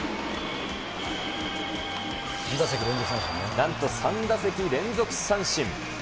なんと３打席連続三振。